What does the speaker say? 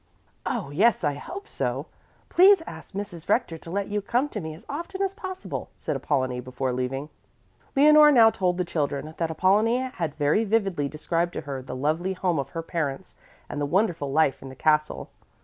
"Oh, yes, I hope so! Please ask Mrs. Rector to let you come to me as often as possible," said Apollonie before leaving. Leonore now told the children that Apollonie had very vividly described to her the lovely home of her parents and the wonderful life in the castle.